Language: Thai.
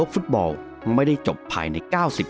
สวัสดีครับ